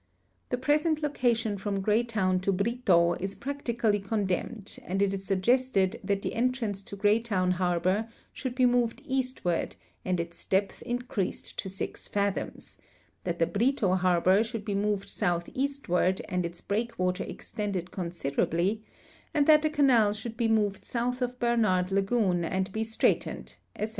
The present location from Orevtown to Brito is practically condemned, and it is suggested that the entrance to Greytown harbor should he moved east Avard and its depth increased to 6 fathoms ; that the Brito harbor should he moved southeastAvard and its breakwater extended con sideraldy, and that the canal should he moved south of Bernard lagoon and he straightened, etc.